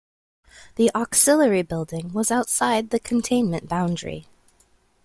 The auxiliary building was outside the containment boundary.